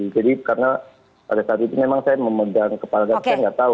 jadi karena pada saat itu memang saya memegang kepala dan saya tidak tahu